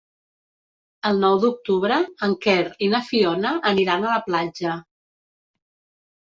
El nou d'octubre en Quer i na Fiona aniran a la platja.